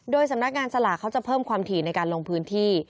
โดยสำนักงานสลากเขาจะเพิ่มความถี่ในการลงพื้นที่